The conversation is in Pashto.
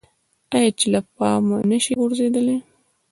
آیا چې له پامه نشي غورځیدلی؟